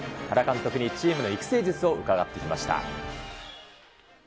原監督にチームの育成術を伺ってきました。